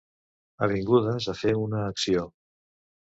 Avingudes a fer una acció.